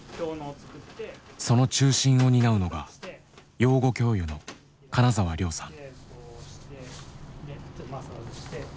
その中心を担うのが養護教諭の金澤良さん。